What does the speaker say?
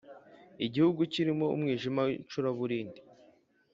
igihugu kirimo umwijima w’icuraburindi,